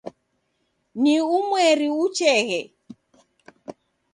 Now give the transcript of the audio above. Ni umweri ucheghe